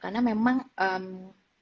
karena memang hmmm